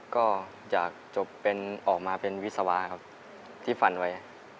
ก็อยากจบเป็นออกมาเป็นวิศวะครับที่ฝันไว้